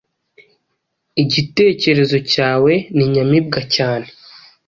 Igitecyerezo cyawe ni nyamibwa cyane